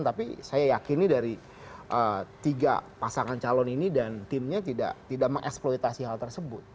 tapi saya yakini dari tiga pasangan calon ini dan timnya tidak mengeksploitasi hal tersebut